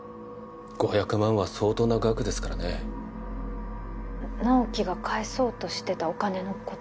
５００万は相当な額ですからね直木が返そうとしてたお金のこと？